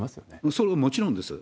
それはもちろんです。